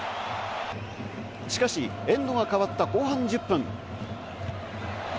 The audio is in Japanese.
しかし、エンドが変わった後半１０分。